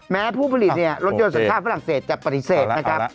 ผู้ผลิตเนี่ยรถยนต์สัญชาติฝรั่งเศสจะปฏิเสธนะครับ